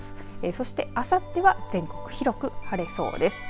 そして、あさっては全国広く晴れそうです。